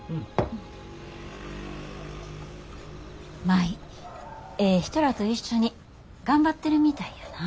舞ええ人らと一緒に頑張ってるみたいやなぁ。